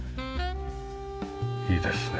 いいですね。